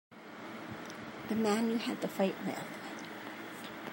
The man you had the fight with.